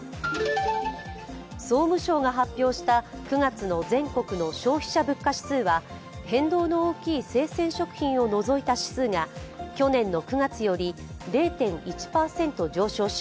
総務省が発表した９月の全国の消費者物価指数は変動の大きい生鮮食品を除いた指数が去年の９月より０．１％上昇し